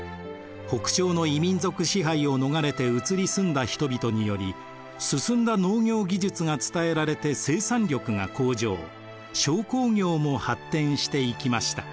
北朝の異民族支配を逃れて移り住んだ人々により進んだ農業技術が伝えられて生産力が向上商工業も発展していきました。